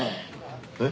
えっ？